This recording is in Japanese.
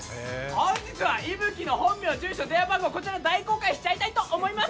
本日は伊吹の本名、住所、電話番号、こちら大公開したいと思います。